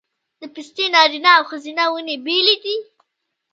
د پستې نارینه او ښځینه ونې بیلې دي؟